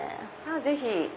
ぜひ。